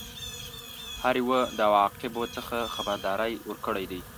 هر یوه د عواقبو څخه خبرداری ورکړی دی.